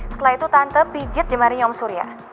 setelah itu tante pijet jemarinya om surya